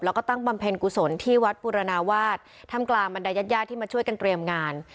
แล้วก็ตั้งบำเพ็ญกุศลที่วัดบุรณาวาสทำกลางบรรดายาดที่มาช่วยกันเตรียมงาน